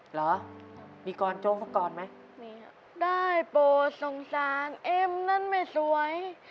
เหรอมีกรโจพบกรมั้ยมีครับได้โปสงสารเอ็มนั้นไม่สวย